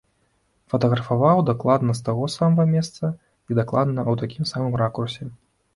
Фатаграфаваў дакладна з таго самага месца і дакладна ў такім самым ракурсе.